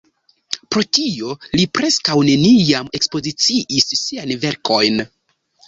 Pro tio li preskaŭ neniam ekspoziciis siajn verkojn.